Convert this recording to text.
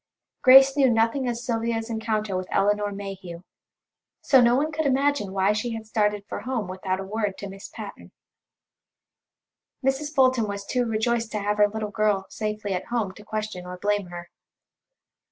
Grace knew nothing of Sylvia's encounter with Elinor Mayhew, so no one could imagine why she had started for home without a word to Miss Patten. Mrs. Fulton was too rejoiced to have her little girl safely at home to question or blame her.